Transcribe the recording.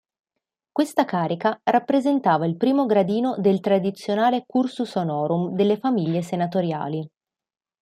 Questa carica rappresentava il primo gradino del tradizionale "cursus honorum" delle famiglie senatoriali.